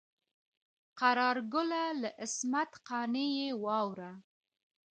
قرار ګله له عصمت قانع یې واوره.